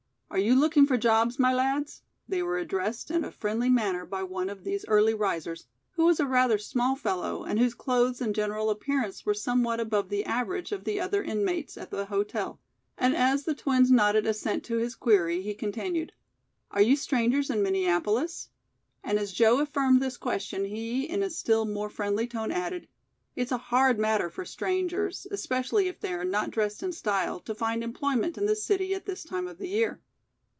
"Are you looking for jobs, my lads?" they were addressed in a friendly manner by one of these early risers, who was a rather small fellow and whose clothes and general appearance were somewhat above the average of the other inmates of the hotel, and as the twins nodded assent to his query, he continued: "Are you strangers in Minneapolis?" And as Joe affirmed this question he in a still more friendly tone added: "It's a hard matter for strangers, expecially if they are not dressed in style, to find employment in this city at this time of the year."